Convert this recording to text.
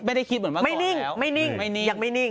ไม่ได้คิดเหมือนเมื่อก่อนแล้วไม่นิ่งอย่างไม่นิ่ง